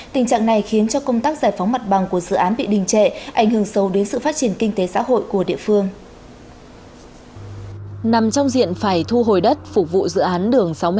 tình trạng này khiến cho công tác giải phóng mặt bằng của dự án bị đình trệ ảnh hưởng sâu đến sự phát triển kinh tế xã hội của địa phương